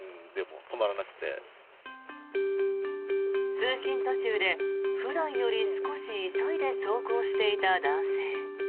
通勤途中で普段より少し急いで走行していた男性。